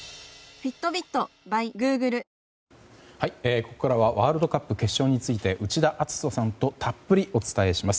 ここからはワールドカップ決勝について内田篤人さんとたっぷりお伝えします。